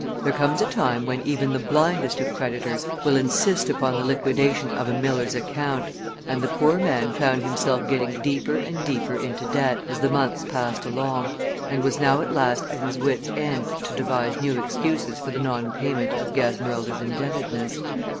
There comes a time when even the blindest of creditors will insist upon the liquidation of a miller's account, and the poor man found himself getting deeper and deeper into debt as the months passed along, and was now at last at his wits' ends to devise new excuses for the non payment of Gasmerilda's indebtedness.